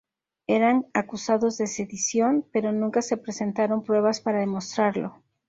Eran acusados de sedición, pero nunca se presentaron pruebas para demostrarlo.